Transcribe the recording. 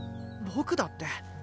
僕だって。